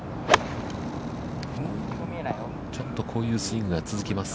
ちょっとこういうスイングが続きます。